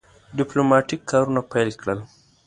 ډیپلوماټیک کارونه پیل کړل.